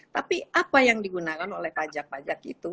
tapi apa yang digunakan oleh pajak pajak itu